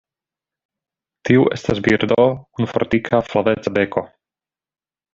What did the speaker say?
Tiu estas birdo kun fortika, flaveca beko.